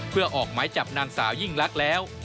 เพื่อออกไม้จับนางสาวยิ่งรักแล้ว